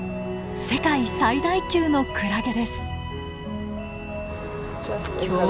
世界最大級のクラゲです。